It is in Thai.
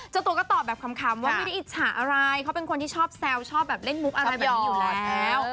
เจ้าตัวก็ตอบแบบคำว่าไม่ได้อิจฉาอะไรเขาเป็นคนที่ชอบแซวชอบแบบเล่นมุกอะไรแบบนี้อยู่แล้ว